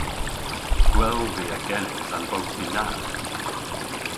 Gwell via genes an bosti na.